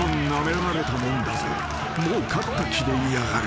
［もう勝った気でいやがる］